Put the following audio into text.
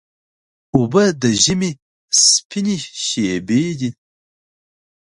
اوبه د ژمي سپینې شېبې دي.